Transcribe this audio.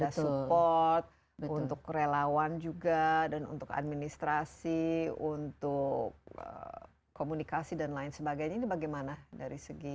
ada support untuk relawan juga dan untuk administrasi untuk komunikasi dan lain sebagainya ini bagaimana dari segi